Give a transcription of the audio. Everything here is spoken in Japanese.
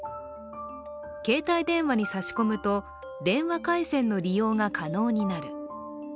携帯電話に差し込むと電話回線の利用が可能になる。